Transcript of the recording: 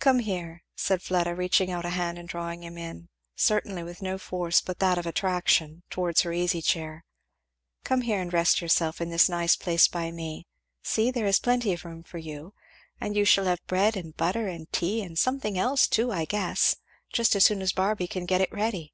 "Come here," said Fleda, reaching out a hand and drawing him, certainly with no force but that of attraction, towards her easy chair, "come here and rest yourself in this nice place by me see, there is plenty of room for you; and you shall have bread and butter and tea, and something else too, I guess, just as soon as Barby can get it ready."